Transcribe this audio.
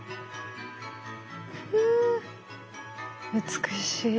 美しい。